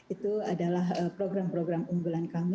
itu adalah program program unggulan kami